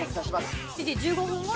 ７時１５分ごろ